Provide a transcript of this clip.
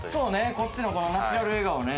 こっちのこのナチュラル笑顔ね。